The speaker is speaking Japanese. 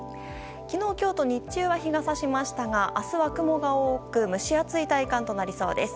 昨日、今日と日中は日が差しましたが明日は雲が多く蒸し暑い体感となりそうです。